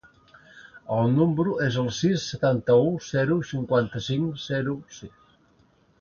El meu número es el sis, setanta-u, zero, cinquanta-cinc, zero, sis.